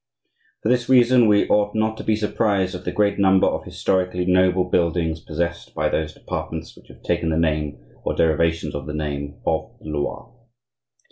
For this reason we ought not to be surprised at the great number of historically noble buildings possessed by those departments which have taken the name, or derivations of the name, of the Loire.